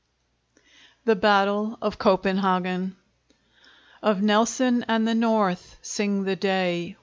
] THE BATTLE OF COPENHAGEN Of Nelson and the North Sing the day!